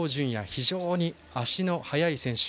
非常に足の速い選手。